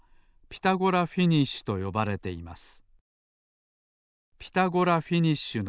「ピタゴラフィニッシュと呼ばれています」